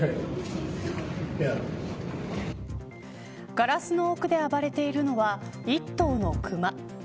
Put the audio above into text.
ガラスの奥で暴れているのは１頭のクマ。